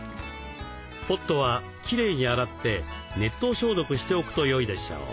ポットはきれいに洗って熱湯消毒しておくとよいでしょう。